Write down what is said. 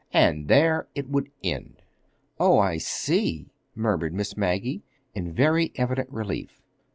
And there it would end." "Oh, I see," murmured Miss Maggie, in very evident relief.